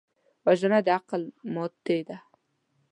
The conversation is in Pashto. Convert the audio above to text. وژنه د عقل ماتې ده